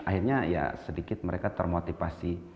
akhirnya ya sedikit mereka termotivasi